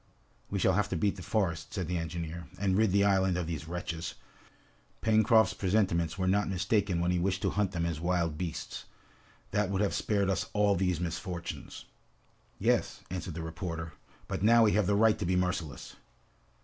"We shall have to beat the forest," said the engineer, "and rid the island of these wretches. Pencroft's presentiments were not mistaken, when he wished to hunt them as wild beasts. That would have spared us all these misfortunes!" "Yes," answered the reporter, "but now we have the right to be merciless!"